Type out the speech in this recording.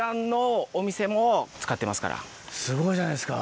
すごいじゃないですか。